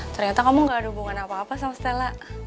ternyata kamu gak ada hubungan apa apa sama stella